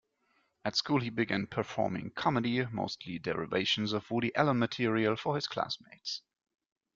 At school he began performing comedy-mostly derivations of Woody Allen material-for his classmates.